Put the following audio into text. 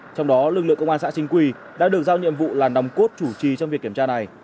trong đó lực lượng công an xã chính quy đã được giao nhiệm vụ là nòng cốt chủ trì trong việc kiểm tra này